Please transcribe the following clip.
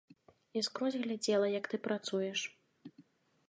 Я скрозь глядзела, як ты працуеш.